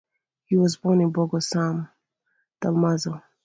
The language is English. He was born in Borgo San Dalmazzo.